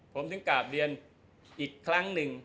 ผมถึงกราบเรียนอีกครั้งหนึ่ง